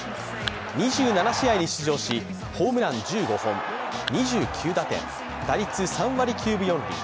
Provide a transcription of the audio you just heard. ２７試合に出場しホームラン１５本、２９打点打率３割９分４厘。